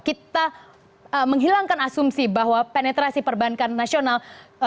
kita menghilangkan asumsi bahwa penetrasi perbankan nasional